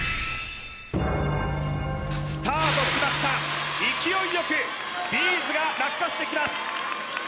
スタートしました勢いよくビーズが落下してきます